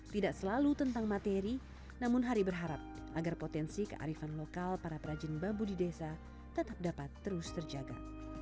tidak selalu tentang materi namun hari berharap agar potensi kearifan lokal para perajin bambu di desa tetap dapat terus terjaga